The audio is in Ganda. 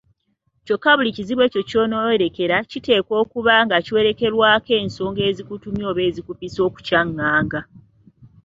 Kyokka buli kizibu ekyo ky’onooyolekera kiteekwa okuba nga kiwerekerwako ensonga ezikutumye oba ezikupise okukyanganga.